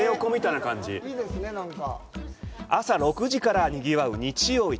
朝６時からにぎわう「日曜市」。